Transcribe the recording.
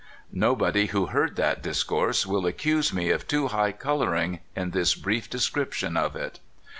No body who heard that discourse will accuse me of too high coloring in this brief description of it.